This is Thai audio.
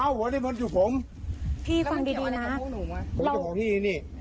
กลับเพราะที่